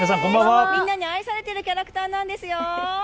みんなに愛されているキャラクターなんですよ。